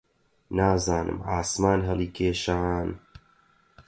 نازانم عاسمان هەڵیکێشان؟